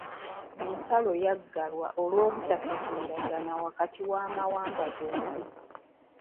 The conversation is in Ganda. Ensalo yaggalwa olw'obutategeeragana wakati w'amawanga gombi.